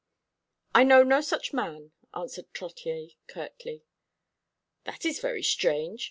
"I know no such man," answered Trottier curtly. "That is very strange.